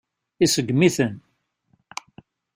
Iseggem-iten.